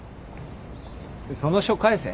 その書返せ。